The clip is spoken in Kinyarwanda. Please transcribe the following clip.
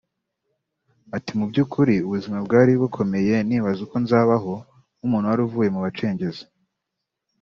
Ati “Mu by’ukiri ubuzima bwari bukomeye nibaza uko nzabaho nk’umuntu waruvuye mu bacengezi